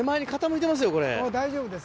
大丈夫です